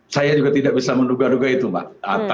saya juga tidak bisa menugah dugah itu mbak